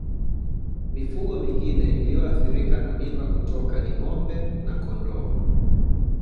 Mifugo mingine inayoathirika na mimba kutoka ni ngombe na kondoo